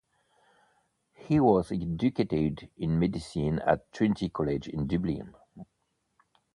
He was educated in medicine at Trinity College in Dublin.